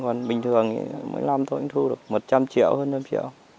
còn bình thường thì mỗi năm tôi cũng thu được một trăm linh triệu hơn năm triệu